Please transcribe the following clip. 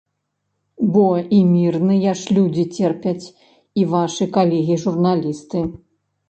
Бо і мірныя ж людзі церпяць і вашы калегі-журналісты.